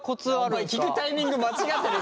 お前聞くタイミング間違ってる。